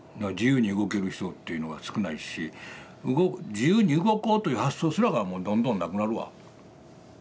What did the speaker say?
自由に動ける人っていうのは少ないし自由に動こうという発想すらがもうどんどんなくなるわ。